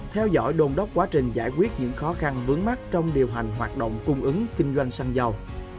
theo dõi đồn đốc quá trình giải quyết những khó khăn vướng mắt trong điều hành hoạt động cung ứng kinh doanh xăng dầu